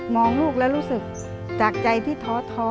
ลูกแล้วรู้สึกจากใจที่ท้อท้อ